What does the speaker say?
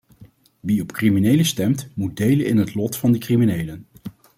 Wie op criminelen stemt moet delen in het lot van die criminelen.